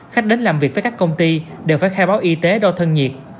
khách đến làm việc với các công ty đều phải khai báo y tế đo thân nhiệt